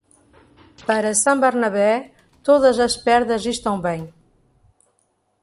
Para San Bernabé, todas as perdas estão bem.